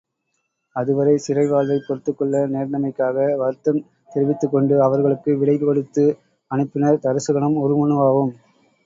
அதுவரை சிறை வாழ்வைப் பொறுத்துக்கொள்ள நேர்ந்தமைக்காக வருத்தந் தெரிவித்துக்கொண்டு அவர்களுக்கு விடை கொடுத்து அனுப்பினர் தருசகனும் உருமண்ணுவாவும்.